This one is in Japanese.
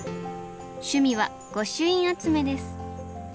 趣味は御朱印集めです。